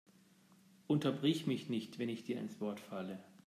Unterbrich mich nicht, wenn ich dir ins Wort falle!